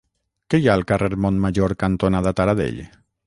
Què hi ha al carrer Montmajor cantonada Taradell?